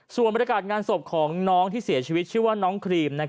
ส่วนบรรยากาศงานศพของน้องที่เสียชีวิตชื่อว่าน้องครีม